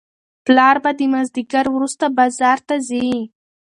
پلار به د مازیګر وروسته بازار ته ځي.